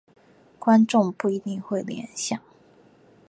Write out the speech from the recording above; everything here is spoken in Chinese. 观众不一定会联想。